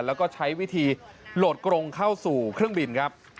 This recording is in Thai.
แล้วก็ใช้วิธีโหลดกรงเข้าสู่เครื่องบินครับ